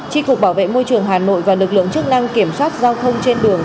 tri cục bảo vệ môi trường hà nội và lực lượng chức năng kiểm soát giao thông trên đường